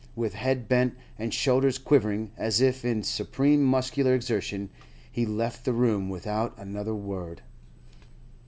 With head bent, and shoulders quivering as if in supreme muscular exertion, he left the room without another word.